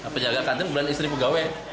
penjaga kantun beran istri pegawai